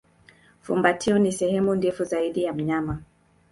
Fumbatio ni sehemu ndefu zaidi ya mnyama.